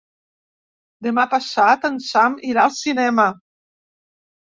Demà passat en Sam irà al cinema.